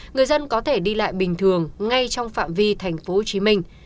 người dân có thể đi lại bình thường ngay trong phạm vi thành phố hồ chí minh